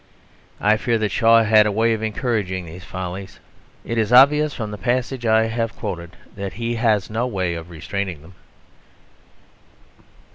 I fear that Shaw had a way of encouraging these follies. It is obvious from the passage I have quoted that he has no way of restraining them.